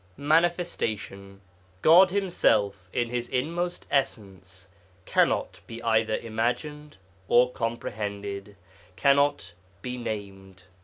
MANIFESTATION God Himself in His inmost essence cannot be either imagined or comprehended, cannot be named.